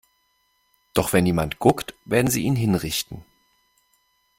Doch wenn niemand guckt, werden sie ihn hinrichten.